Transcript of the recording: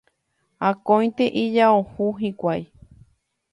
Akóinte ijao hũ hikuái